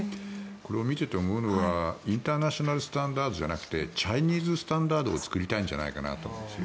これを見ていて思うのはインターナショナルスタンダードじゃなくてチャイニーズスタンダードを作りたいんじゃないかなと。